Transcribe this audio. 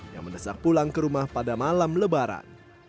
yang mendesak pulang ke rumah pada malam lebaran